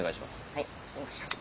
はい分かりました。